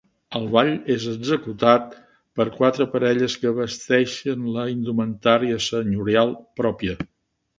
El ball és executat per quatre parelles que vesteixen la indumentària senyorial pròpia.